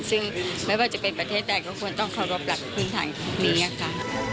ซึ่งไม่ว่าจะเป็นประเทศใดก็ควรต้องเคารพหลักพื้นฐานพวกนี้ค่ะ